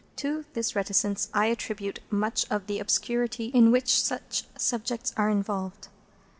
To this reticence I attribute much of the obscurity in which such subjects are involved.